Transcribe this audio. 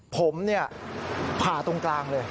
ผมปะตรงกลางเลย